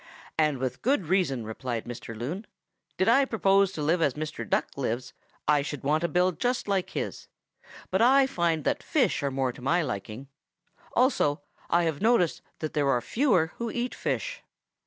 "'And with good reason,' replied Mr. Loon. 'Did I propose to live as Mr. Duck lives, I should want a bill just like his, but I find that fish are more to my liking. Also I have noticed that there are fewer who eat fish.'